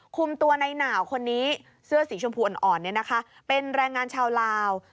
คุมตัวในหนาวคนนี้เสื้อสีชมพูอ่อนเนี่ยนะคะเป็นแรงงานชาวลาว